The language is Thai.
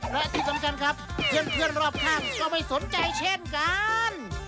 และที่สำคัญครับเพื่อนรอบข้างก็ไม่สนใจเช่นกัน